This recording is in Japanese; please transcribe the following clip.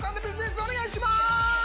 お願いします！